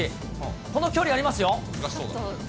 この距離ありますよ。